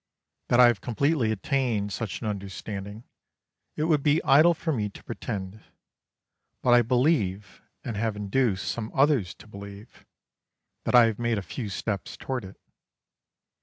That I have completely attained such an understanding, it would be idle for me to pretend: but I believe, and have induced some others to believe, that I have made a few steps towards it.